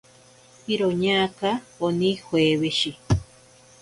Iroñaaka oni joeweshi.